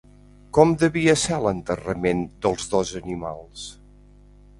Com devia ser l'enterrament dels dos animals?